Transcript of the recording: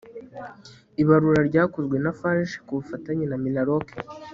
Ibarura ryakozwe na FARG ku bufatanye na MINALOC